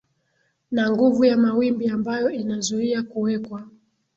na nguvu ya mawimbi ambayo inazuia kuwekwa